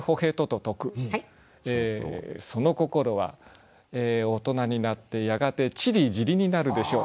その心は「大人になってやがてちりぢりになるでしょう」。